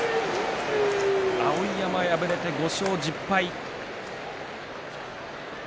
碧山敗れて５勝１０敗。